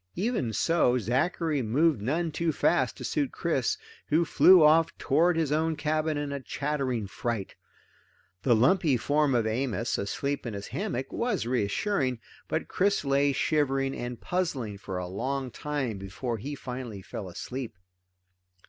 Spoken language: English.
Even so, Zachary moved none too fast to suit Chris, who flew off toward his own cabin in a chattering fright. The lumpy form of Amos, asleep in his hammock, was reassuring, but Chris lay shivering and puzzling for a long time before he finally fell asleep.